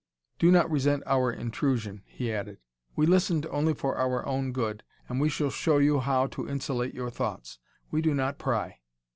"Do not resent our intrusion," he added; "we listened only for our own good, and we shall show you how to insulate your thoughts. We do not pry."